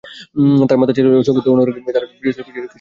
তার মাতা ছিলেন সংগীত অনুরাগী, তার প্রিয় শিল্পী ছিলেন কিশোর কুমার।